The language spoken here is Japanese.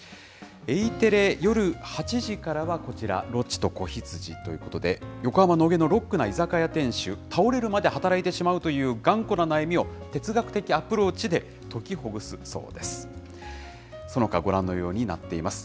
Ｅテレ夜８時からは、こちら、ロッチと子羊ということで、横浜・野毛のロックな居酒屋店主、倒れるまで働いてしまうという頑固な悩みを哲学的アプローチで解きほぐすそうです。